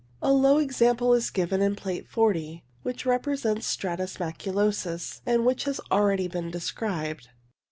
A low example is given in Plate 40, which represents stratus maculosus, and which has already been described.